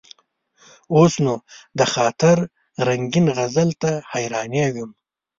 اوس نو: د خاطر رنګین غزل ته حیرانېږم.